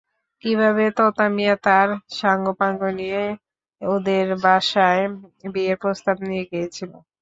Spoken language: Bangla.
কীভাবে তোতা মিয়া তার সাঙ্গপাঙ্গ নিয়ে ওদের বাসায় বিয়ের প্রস্তাব নিয়ে গিয়েছিল।